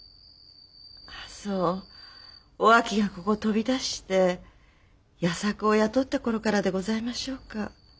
そうお秋がここを飛び出して矢作を雇ったころからでございましょうか。